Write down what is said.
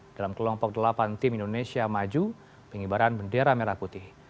dalam kelompok delapan tim indonesia maju pengibaran bendera merah putih